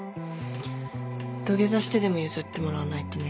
土下座してでも譲ってもらわないとね。